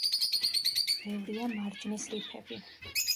ბევრია მარჯნის რიფები.